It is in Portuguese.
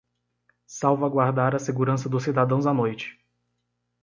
Salvaguardar a segurança dos cidadãos à noite